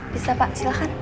bisa pak silahkan